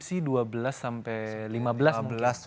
dua belas sampai lima belas mungkin